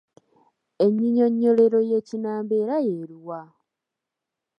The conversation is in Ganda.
Ennyinyonnyolero y’Ekinnambeera y’eluwa?